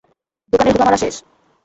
দোকানের হোগা মারা শেষ!